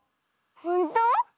ほんと？